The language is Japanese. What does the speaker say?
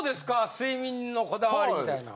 睡眠のこだわりみたいなんは。